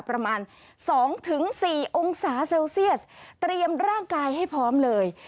ประมาณ๒๔องศาเซลเซียสเตรียมร่างกายให้พร้อมเลย